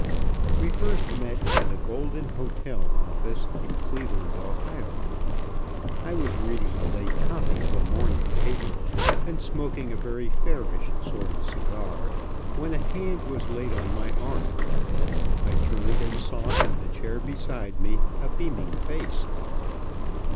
We first met in the Golden Hotel office in Cleveland, Ohio. I was reading a late copy of a morning paper and smoking a very fairish sort of cigar, when a hand was laid on my arm. I turned and saw in the chair beside me a beaming face.